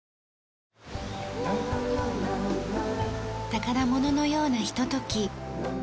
宝物のようなひととき。